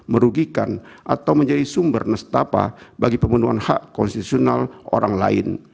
merugikan atau menjadi sumber nestapa bagi pemenuhan hak konstitusional orang lain